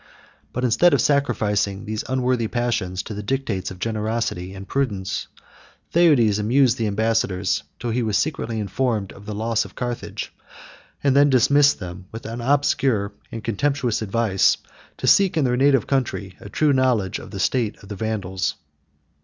But instead of sacrificing these unworthy passions to the dictates of generosity and prudence, Theudes amused the ambassadors till he was secretly informed of the loss of Carthage, and then dismissed them with obscure and contemptuous advice, to seek in their native country a true knowledge of the state of the Vandals.